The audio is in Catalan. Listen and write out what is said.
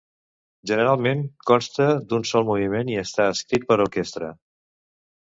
Generalment consta d'un sol moviment i està escrit per a orquestra.